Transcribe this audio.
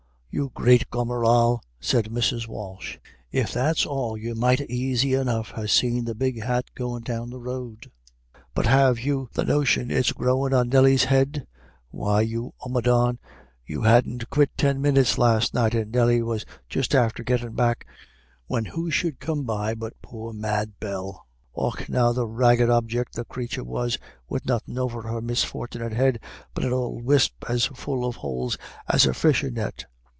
"You great gomeral," said Mrs. Walsh. "If that's all you might aisy enough ha' seen the big hat goin' the road but have you the notion it's growin' on Nelly's head? Why, you omadhawn, you hadn't quit ten minyits last night, and Nelly was just after gettin' back, when who should come by but poor Mad Bell. Och now the raggedy objick the crathur was, wid nothin' over her misfort'nit head but an ould wisp as full of houles as a fishin' net.